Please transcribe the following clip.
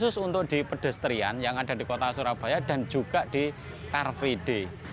khusus untuk di pedestrian yang ada di kota surabaya dan juga di rvd